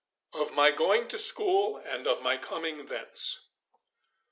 Of my going to school and of my coming thence.